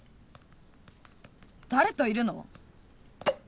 誰といるの？